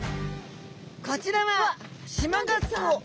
こちらはシマガツオ。